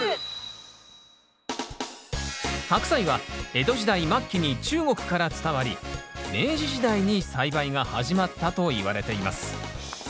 ハクサイは江戸時代末期に中国から伝わり明治時代に栽培が始まったといわれています。